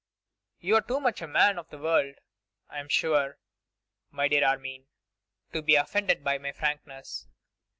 'You are too much a man of the world, I am sure, my dear Armine, to be offended by my frankness.